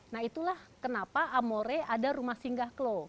nah itulah kenapa amore ada rumah singgah klo